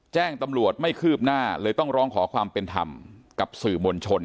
แจ้งตำรวจไม่คืบหน้าเลยต้องร้องขอความเป็นธรรมกับสื่อมวลชน